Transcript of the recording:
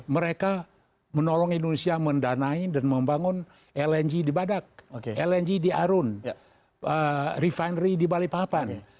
mereka menolong indonesia mendanai dan membangun lng di badak lng di arun refinery di balikpapan